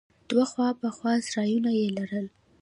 دوه خوا په خوا سرايونه يې لرل.